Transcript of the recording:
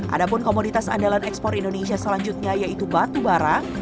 adapun komoditas andalan ekspor indonesia selanjutnya yaitu batu bara